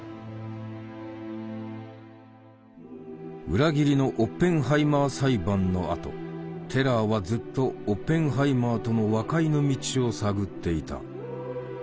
裏切りのオッペンハイマー裁判のあとテラーはずっとオッペンハイマーとの和解の道を探っていた。